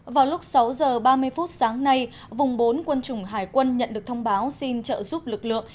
vào lúc sáu h ba mươi phút sáng nay vùng bốn quân chủng hải quân nhận được thông báo xin trợ giúp lực lượng